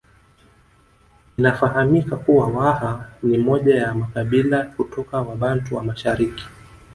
Inafahamika kuwa Waha ni moja ya makabila kutoka Wabantu wa mashariki